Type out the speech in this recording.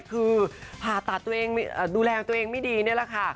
คือผ่าตัดตัวเองดูแลตัวเองไม่ดีนี่แหละค่ะ